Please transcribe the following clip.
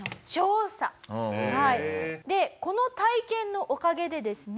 この体験のおかげでですね